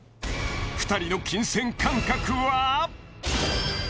２人の金銭感覚は？